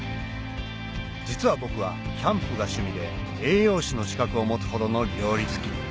実は僕はキャンプが趣味で栄養士の資格を持つほどの料理好き